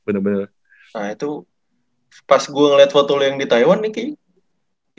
nah itu pas gue liat foto lu yang di taiwan nih kayaknya